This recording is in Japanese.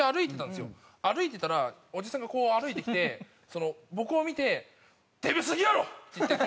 歩いてたらおじさんがこう歩いてきて僕を見て「デブすぎやろ！」って言って。